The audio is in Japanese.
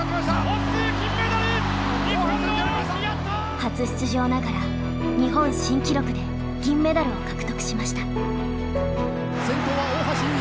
初出場ながら日本新記録で銀メダルを獲得しました。